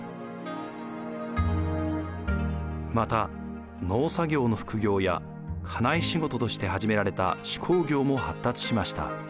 また農作業の副業や家内仕事として始められた手工業も発達しました。